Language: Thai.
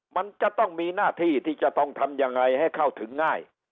มันจะต้องมีหน้าที่ที่จะต้องทำยังไงให้เข้าถึงง่าย